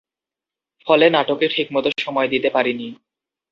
ফলে নাটকে ঠিকমতো সময় দিতে পারিনি।